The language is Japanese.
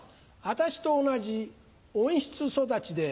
私と同じ温室育ちで。